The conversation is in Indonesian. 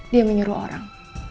dia menyuruh orang